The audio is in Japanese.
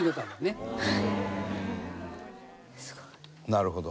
なるほど。